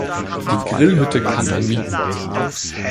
Die Grillhütte kann man mieten.